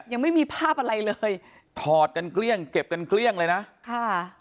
ยังไม่มีภาพอะไรเลยถอดกันเกลี้ยงเก็บกันเกลี้ยงเลยนะค่ะ